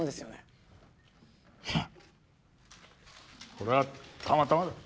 これはたまたまだ。